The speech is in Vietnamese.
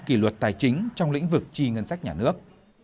kỷ luật tài chính trong lĩnh vực chi ngân sách nhà nước